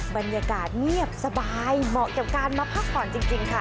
บรรยากาศเงียบสบายเหมาะกับการมาพักผ่อนจริงค่ะ